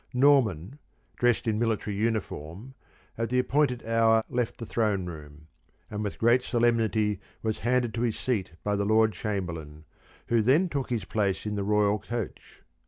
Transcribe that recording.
Norman, dressed in military uniform, at the appointed hour left the throne room, and with great solemnity was handed to his seat by the Lord Chamberlain, who then took his place in the Royal coach.